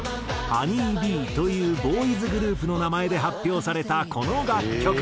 ＨｏｎｅｙＢｅｅというボーイズグループの名前で発表されたこの楽曲。